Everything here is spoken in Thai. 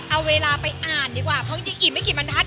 เอาเวลาไปอ่านดีกว่าเพราะจริงอีกไม่กี่บรรทัศ